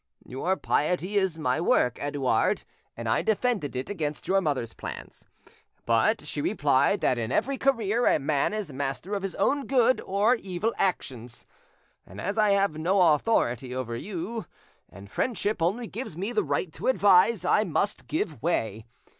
Your piety is my work, Edouard, and I defended it against your mother's plans; but she replied that in every career a man is master of his own good or evil actions; and as I have no authority over you, and friendship only gives me the right to advise, I must give way.